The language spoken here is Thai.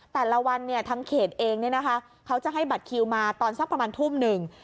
แต่ละวันทางเขตเองเขาจะให้บัตรคิวมาตอนสักประมาณทุ่มหนึ่ง